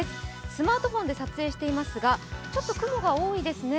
スマートフォンで撮影していますが、ちょっと雲が多いですね。